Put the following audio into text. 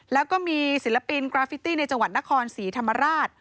แล้วก็มีศิลปินกราฟิตี้ในจังหวัดนครศรีธรรมราช